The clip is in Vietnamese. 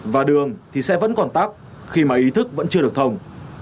và đường thì sẽ vẫn còn tắc khi mà ý thức vẫn chưa được thông